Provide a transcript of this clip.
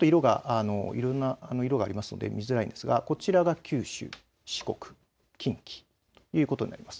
いろんな色があるので見づらいですがこちらが九州、四国、近畿ということになります。